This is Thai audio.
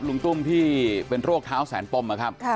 ลุงตุ้มที่เป็นโรคเท้าแสนปมนะครับ